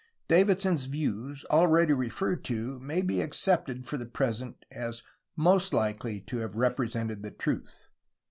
Davidson's views, already referred to, may be accepted for the present as most likely to have represented the truth.